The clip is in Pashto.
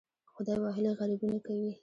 خدای وهلي غریبي نه کوي.